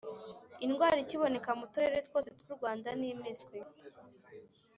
indwara ikiboneka mu turere twose tw'u rwanda ni miswi